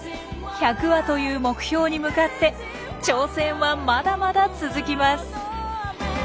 １００羽という目標に向かって挑戦はまだまだ続きます。